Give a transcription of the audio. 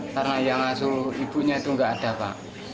karena yang asuh ibunya itu gak ada pak